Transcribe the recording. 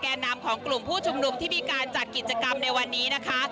นำของกลุ่มผู้ชุมนุมที่มีการจัดกิจกรรมในวันนี้นะคะ